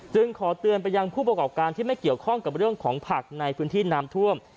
ขอเตือนไปยังผู้ประกอบการที่ไม่เกี่ยวข้องกับเรื่องของผักในพื้นที่น้ำท่วม